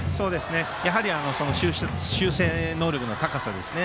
やはり修正能力の高さですね。